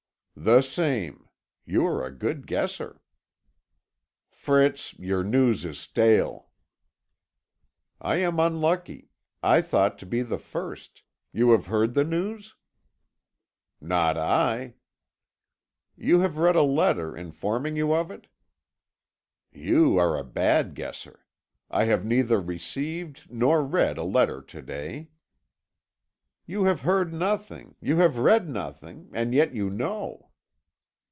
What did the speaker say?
"The same. You are a good guesser." "Fritz, your news is stale." "I am unlucky; I thought to be the first. You have heard the news?" "Not I." "You have read a letter, informing you of it." "You are a bad guesser. I have neither received nor read a letter to day." "You have heard nothing, you have read nothing; and yet you know."